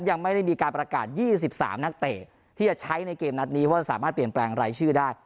ยังไม่ได้มีการประกาศ๒๓นักเตะที่จะใช้ในเกมนัดนี้เพราะจะสามารถเปลี่ยนแปลงรายชื่อได้